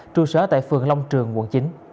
tru sở tại phường long trường quận chín